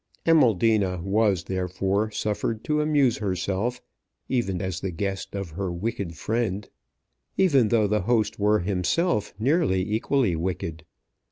Amaldina was, therefore, suffered to amuse herself, even as the guest of her wicked friend; even though the host were himself nearly equally wicked.